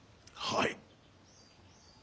はい。